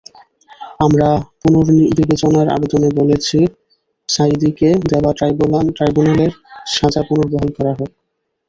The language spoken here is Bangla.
আমরা পুনর্বিবেচনার আবেদনে বলেছি, সাঈদীকে দেওয়া ট্রাইব্যুনালের সাজা পুনর্বহাল করা হোক।